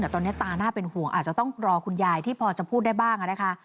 แต่ตอนนี้ตาน่าเป็นห่วงอาจจะต้องรอคุณยายที่พอจะพูดได้บ้างนะคะ